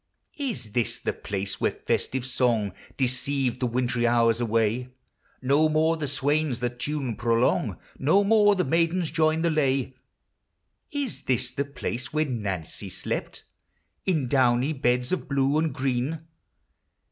Is this the place where festive song Deceived the wintry hours away ? No more the swains the tune prolong, No more the maidens join the lay. Is this the place where Nancy slept In downy beds of blue and green?